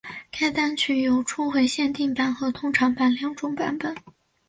该单曲有初回限定版和通常版两种版本。